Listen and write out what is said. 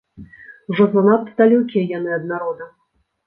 Ужо занадта далёкія яны ад народа.